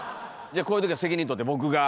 じゃこういう時は責任取って僕が。